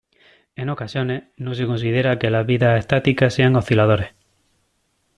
En ocasiones, no se considera que las vidas estáticas sean osciladores.